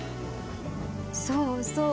そうそう！